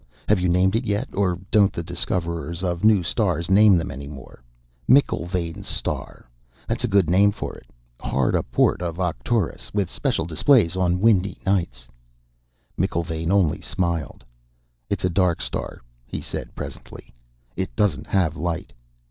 "Have you named it yet? Or don't the discoverers of new stars name them any more? McIlvaine's Star that's a good name for it. Hard a port of Arcturus, with special displays on windy nights." McIlvaine only smiled. "It's a dark star," he said presently. "It doesn't have light."